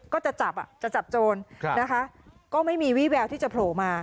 ก็จะจับจะจับโจรนะคะก็ไม่มีวี่แววที่จะโผล่มา